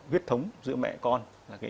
huyết thống giữa mẹ con